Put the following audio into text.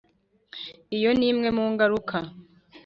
iyo ni imwe mu ngaruka